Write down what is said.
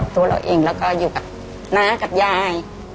ตัวเราเองแล้วก็อยู่กับน้ากับยาย